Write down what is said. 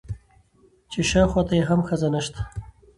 چې شاوخوا ته يې هم ښځه نشته ده.